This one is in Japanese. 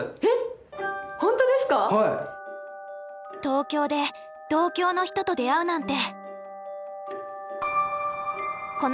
東京で同郷の人と出会うなんて！